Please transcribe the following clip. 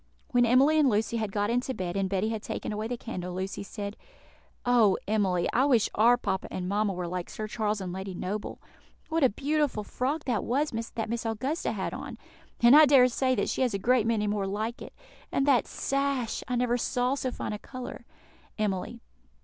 When Emily and Lucy had got into bed, and Betty had taken away the candle, Lucy said, "Oh, Emily! I wish our papa and mamma were like Sir Charles and Lady Noble. What a beautiful frock that was that Miss Augusta had on! and I dare say that she has a great many more like it. And that sash! I never saw so fine a colour." _Emily.